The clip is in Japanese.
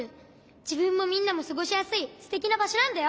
じぶんもみんなもすごしやすいすてきなばしょなんだよ。